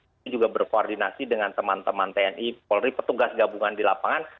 itu juga berkoordinasi dengan teman teman tni polri petugas gabungan di lapangan